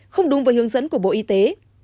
không đúng với hướng dẫn của bộ y tế